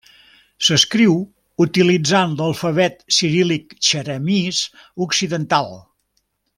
S'escriu utilitzant l'alfabet ciríl·lic txeremís occidental.